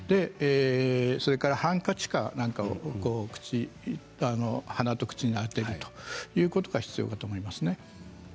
それからハンカチか何かを鼻と口に当てるということが必要かと思いますね。